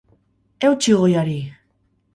Eutsi goiari!